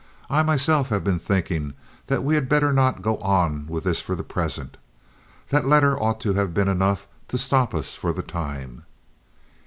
"I myself have been thinking that we had better not go on with this for the present. That letter ought to have been enough to stop us for the time."